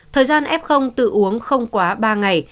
thời gian f tự uống không quá ba ngày